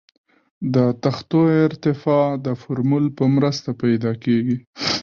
د تختو ارتفاع د فورمول په مرسته پیدا کیږي